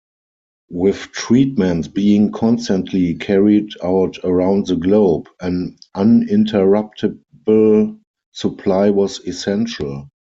With treatments being constantly carried out around the globe, an uninterruptible supply was essential.